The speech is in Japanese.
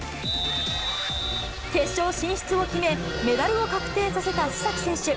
決勝進出を決め、メダルを確定させた須崎選手。